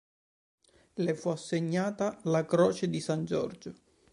Le fu assegnata la Croce di San Giorgio.